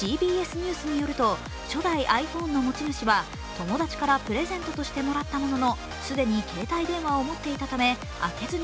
ニュースによると初代ｉＰｈｏｎｅの持ち主は友達からプレゼントとしてもらったものの既に携帯電話を持っていたため開けずに